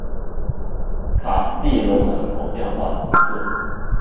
卡斯蒂隆人口变化图示